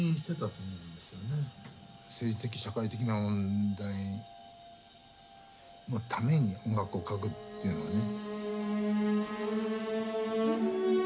政治的社会的な問題のために音楽を書くっていうのはね。